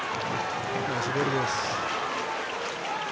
ナイスボールです。